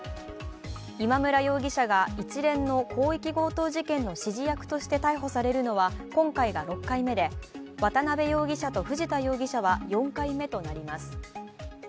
今村容疑者が一連の広域強盗事件の指示役として逮捕されるのは今回が６回目で渡辺容疑者と藤田容疑者は４回目となります。